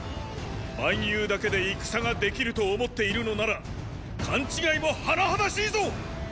蛮勇だけで戦ができると思っているのなら勘違いも甚だしいぞ！